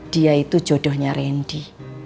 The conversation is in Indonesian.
dia itu jodohnya rendy